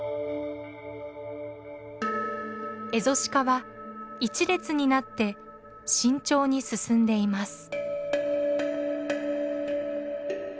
エゾシカは１列になって慎重に進んでいます。